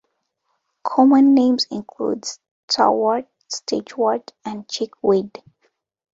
Common names include starwort, stitchwort and chickweed.